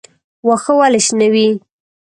واښه ولې شنه وي؟